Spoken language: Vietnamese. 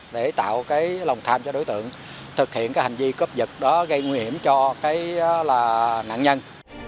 để tạo lòng tham cho đối tượng thực hiện hành vi cấp giật đó gây nguy hiểm cho nạn nhân